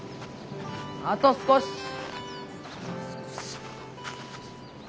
あと少し。